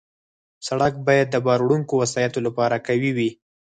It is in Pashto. سړک باید د بار وړونکو وسایطو لپاره قوي وي.